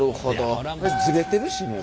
ずれてるしもう。